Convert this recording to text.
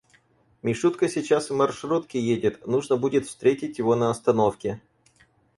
Мишутка сейчас в маршрутке едет, нужно будет встретить его на остановке.